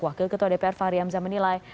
wakil ketua dpr fahri hamzah menilai